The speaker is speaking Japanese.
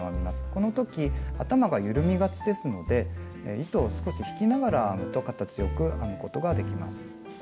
この時頭が緩みがちですので糸を少し引きながら編むと形よく編むことができます。